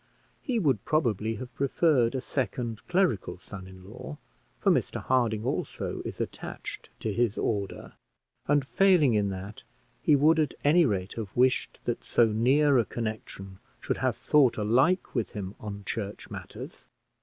He would probably have preferred a second clerical son in law, for Mr Harding, also, is attached to his order; and, failing in that, he would at any rate have wished that so near a connection should have thought alike with him on church matters.